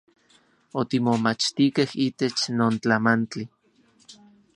Otimomachtikej itech non tlamantli.